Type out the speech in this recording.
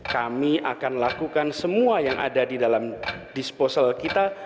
kami akan lakukan semua yang ada di dalam disposal kita